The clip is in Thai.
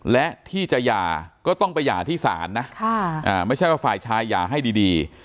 และที่จะหย่าก็ต้องไปหย่าที่ศาลนะไม่ใช่ว่าฝ่ายชายหย่าให้ดี